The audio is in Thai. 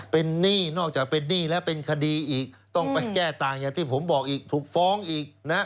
เป็นหนี้นอกจากเป็นหนี้แล้วเป็นคดีอีกต้องไปแก้ต่างอย่างที่ผมบอกอีกถูกฟ้องอีกนะ